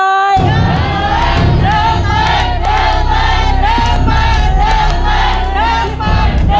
เรียกใหม่เรียกใหม่เรียกใหม่เรียกใหม่